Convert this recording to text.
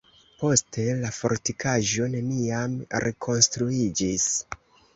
Poste la fortikaĵo neniam rekonstruiĝis.